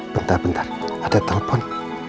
bentar bentar ada telepon